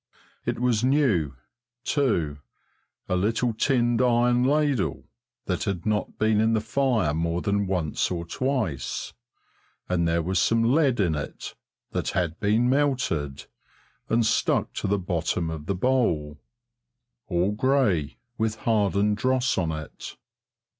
It was new, too a little tinned iron ladle that had not been in the fire more than once or twice, and there was some lead in it that had been melted, and stuck to the bottom of the bowl, all grey, with hardened dross on it.